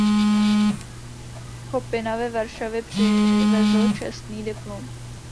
Chopina ve Varšavě přivezl Čestný diplom.